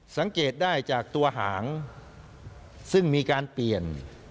สังเกตได้จากตัวหางซึ่งมีการเปลี่ยน